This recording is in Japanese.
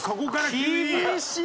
厳しい！